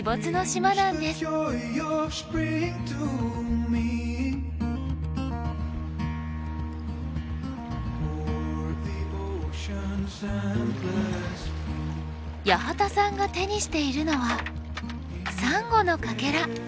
八幡さんが手にしているのはサンゴのかけら。